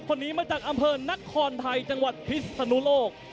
คนนี้มาจากอำเภอนครไทยจังหวัดพิศนุโลก